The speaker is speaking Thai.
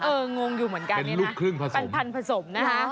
เอองงอยู่เหมือนกันนี่นะปันผสมนะฮะเป็นลูกครึ่งผสม